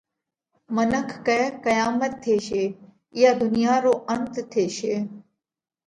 منک ڪئه: قيامت ٿيشي، اِيئا ڌُنيا رو انت ٿيشي۔